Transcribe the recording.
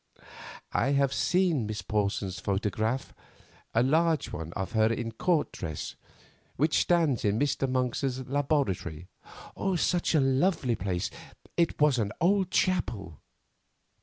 "I have seen Miss Porson's photograph, a large one of her in Court dress, which stands in Mr. Monk's laboratory (such a lovely place, it was an old chapel).